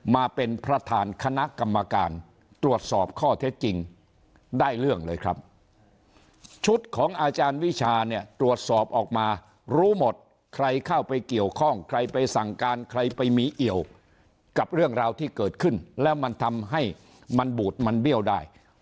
มาเป็นประธานคณะกรรมการตรวจสอบข้อเท็จจริงได้เรื่องเลยครับชุดของอาจารย์วิชาเนี่ยตรวจสอบออกมารู้หมดใครเข้าไปเกี่ยวข้องใครไปสั่งการใครไปมีเอี่ยวกับเรื่องราวที่เกิดขึ้นแล้วมันทำให้มันบูดมันเบี้ยวได้